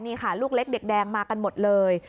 นี่ค่ะลูกเล็กเด็กแดงมากันหมดเลย